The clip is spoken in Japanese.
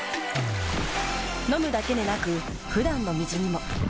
飲むだけでなく普段の水にも。